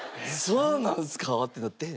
「そうなんですか？」ってなって。